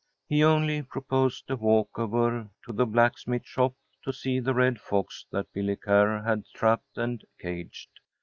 He only proposed a walk over to the blacksmith shop to see the red fox that Billy Kerr had trapped and caged.